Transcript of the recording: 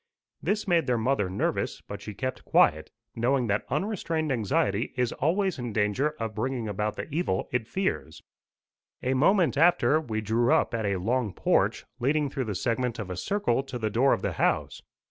This made their mother nervous, but she kept quiet, knowing that unrestrained anxiety is always in danger of bringing about the evil it fears. A moment after, we drew up at a long porch, leading through the segment of a circle to the door of the house.